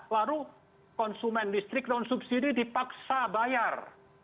lalu konsumen listrik non subsidi dipaksa bayar